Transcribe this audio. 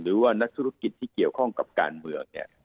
หรือว่านักธุรกิจที่เกี่ยวข้องกับการเมืองเนี่ย